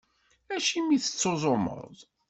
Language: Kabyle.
Acimi i tettuẓumeḍ?